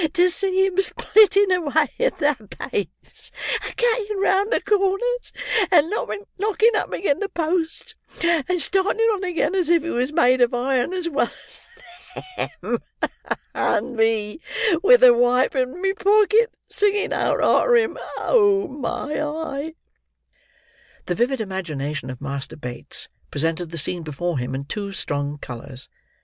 To see him splitting away at that pace, and cutting round the corners, and knocking up again' the posts, and starting on again as if he was made of iron as well as them, and me with the wipe in my pocket, singing out arter him—oh, my eye!" The vivid imagination of Master Bates presented the scene before him in too strong colours.